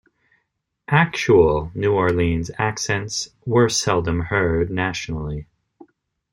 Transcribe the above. Actual New Orleans accents were seldom heard nationally.